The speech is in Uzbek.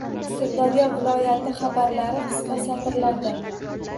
Sirdaryo viloyati xabarlari qisqa satrlarda